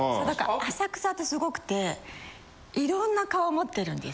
浅草ってすごくていろんな顔を持ってるんです。